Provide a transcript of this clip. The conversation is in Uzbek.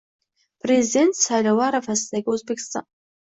Prezident saylovi arafasidagi O‘zbekiston